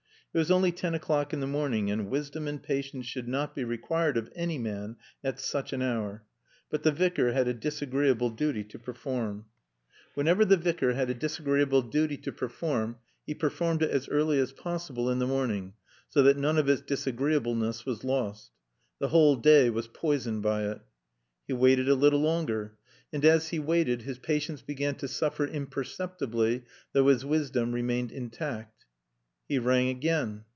It was only ten o'clock in the morning and wisdom and patience should not be required of any man at such an hour. But the Vicar had a disagreeable duty to perform. Whenever the Vicar had a disagreeable duty to perform he performed it as early as possible in the morning, so that none of its disagreeableness was lost. The whole day was poisoned by it. He waited a little longer. And as he waited his patience began to suffer imperceptibly, though his wisdom remained intact. He rang again.